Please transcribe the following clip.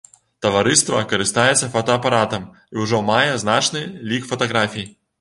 Таварыства карыстаецца фотаапаратам і ўжо мае значны лік фатаграфій.